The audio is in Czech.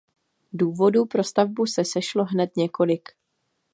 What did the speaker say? Důvodů pro stavbu se sešlo hned několik.